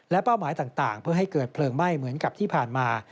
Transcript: เป้าหมายต่างเพื่อให้เกิดเพลิงไหม้เหมือนกับที่ผ่านมา